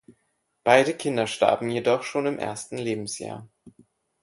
Beide Kinder starben jedoch schon im ersten Lebensjahr.